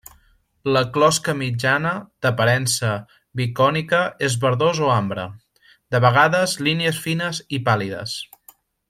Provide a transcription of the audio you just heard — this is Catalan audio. La closca mitjana, d’aparença bicònica és verdós o ambre; de vegades línies fines i pàl·lides.